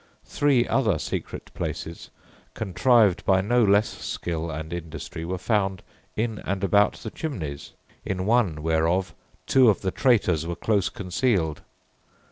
Three other secret places, contrived by no less skill and industry, were found in and about the chimneys, in one whereof two of the traitors were close concealed.